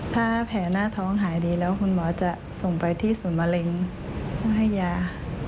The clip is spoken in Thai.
ถ้าแผลหน้าท้องหายดีแล้วคุณหมอจะส่งไปที่ศูนย์มะเร็งให้ยา